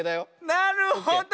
なるほど！